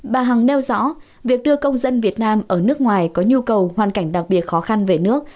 bà hằng nêu rõ việc đưa công dân việt nam ở nước ngoài có nhu cầu hoàn cảnh đặc biệt khó khăn về nước